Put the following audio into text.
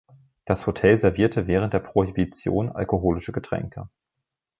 Das Hotel servierte während der Prohibition alkoholische Getränke.